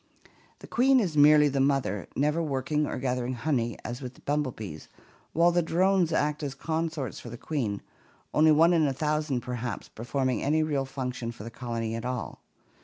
The queen is merely the mother, never working or gathering honey as with the bumblebees, while the drones act as consorts for the queen, only one in a thousand, perhaps, performing any real function for the colony at all.